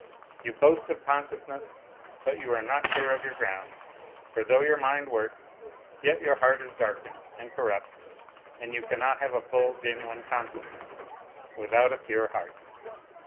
You boast of consciousness, but you are not sure of your ground, for though your mind works, yet your heart is darkened and orrupt, and you cannot have a full, genuine consciousness without a pure heart.